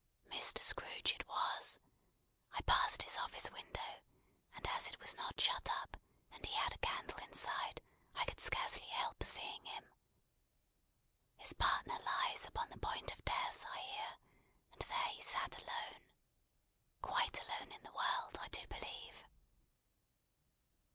"Mr. Scrooge it was. I passed his office window; and as it was not shut up, and he had a candle inside, I could scarcely help seeing him. His partner lies upon the point of death, I hear; and there he sat alone. Quite alone in the world, I do believe."